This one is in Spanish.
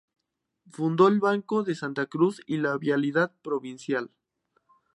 Fundó el Banco de Santa Cruz y la Vialidad Provincial.